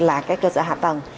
là cơ sở hạ tầng